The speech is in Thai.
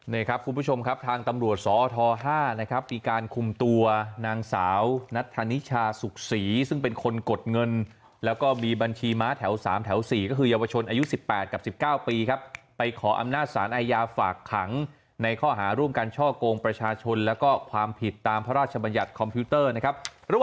นี่ครับคุณผู้ชมครับทางตำรวจสอท๕นะครับมีการคุมตัวนางสาวนัทธานิชาสุขศรีซึ่งเป็นคนกดเงินแล้วก็มีบัญชีม้าแถว๓แถว๔ก็คือเยาวชนอายุ๑๘กับ๑๙ปีครับไปขออำนาจสารอาญาฝากขังในข้อหาร่วมการช่อกงประชาชนแล้วก็ความผิดตามพระราชบัญญัติคอมพิวเตอร์นะครับ